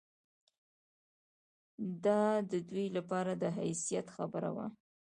دا د دوی لپاره د حیثیت خبره وه.